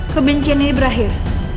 kebencian ini berakhir